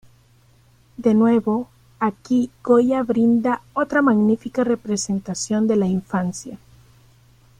De nuevo, aquí Goya brinda otra magnífica representación de la infancia.